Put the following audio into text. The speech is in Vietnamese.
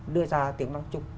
đưa ra tiếng năng chung